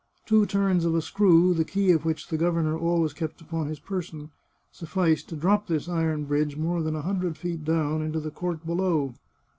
Two turns of a screw, the key of which the governor always kept upon his person, sufficed to drop this iron bridge more than a hun dred feet down into the court below.